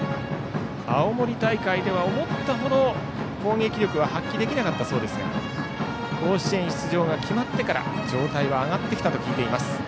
青森大会では思ったほど攻撃力は発揮できなかったそうですが甲子園出場が決まってから状態は上がってきたと聞いています。